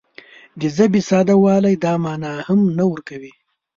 د ژبې ساده والی دا مانا هم نه ورکوي